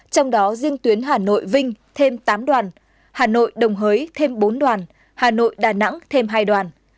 trong đó riêng tuyến hà nội vinh thêm tám đoàn hà nội đồng hới thêm bốn đoàn hà nội đà nẵng thêm hai đoàn